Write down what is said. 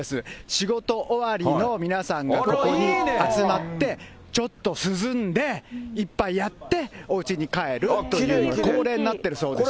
仕事終わりの皆さんがここに集まって、ちょっと涼んで、一杯やっておうちに帰るというのが恒例になっているそうですね。